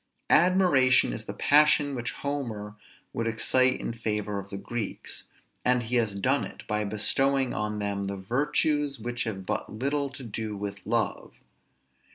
Admiration is the passion which Homer would excite in favor of the Greeks, and he has done it by bestowing on them the virtues which have but little to do with love.